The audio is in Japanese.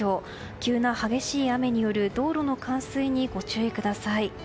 急な激しい雨による道路の冠水にご注意ください。